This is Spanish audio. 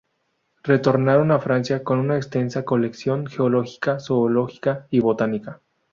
Retornaron a Francia con una extensa colección geológica, zoológica y botánica.